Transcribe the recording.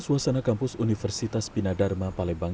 suasana kampus universitas bina dharma palembang